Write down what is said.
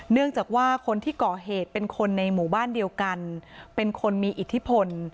เนื่องจากว่าคนที่ก่อเหตุเป็นคนในหมู่บ้านเดียวกันเป็นคนมีอิทธิพล